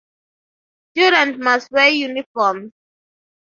Students must wear uniforms.